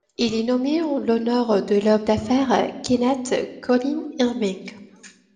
Il est nommé en l'honneur de l'homme d'affaires Kenneth Colin Irving.